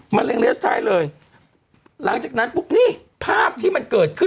เร็งเลียสใช้เลยหลังจากนั้นปุ๊บนี่ภาพที่มันเกิดขึ้น